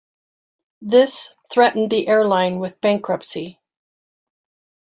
This threatened the airline with bankruptcy.